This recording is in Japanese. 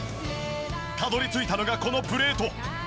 たどり着いたのがこのプレート。